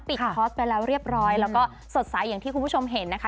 คอร์สไปแล้วเรียบร้อยแล้วก็สดใสอย่างที่คุณผู้ชมเห็นนะคะ